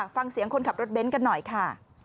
ฟังเสียงคนขับรถเบนท์กันหน่อยค่ะ